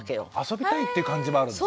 遊びたいっていう感じもあるんですね。